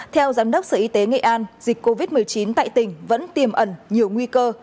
theo giám đốc sở y tế nghệ an dịch covid một mươi chín tại tỉnh vẫn tiềm ẩn nhiều nguy cơ